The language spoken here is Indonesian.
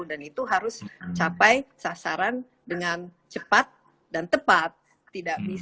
dan itu harus capai sasaran dengan cepat dan tepat